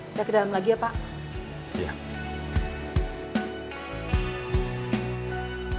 saya ke dalam lagi ya pak